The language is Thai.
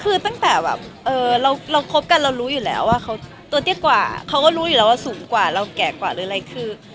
คือตั้งแต่แบบเราคบกันเรารู้อยู่แล้วว่าเขาตัวเตี้ยกว่าเขาก็รู้อยู่แล้วว่าสูงกว่าเราแก่กว่าหรืออะไรคือ